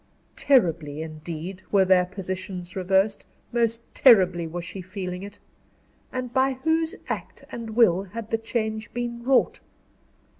Terribly, indeed, were their positions reversed; most terribly was she feeling it. And by whose act and will had the change been wrought?